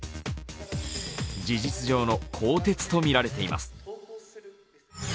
事実上の更迭とみられています。